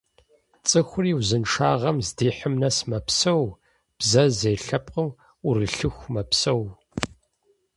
Цӏыхур и узыншагъэм здихьым нэс мэпсэу, бзэр зей лъэпкъым ӏурылъыху мэпсэу.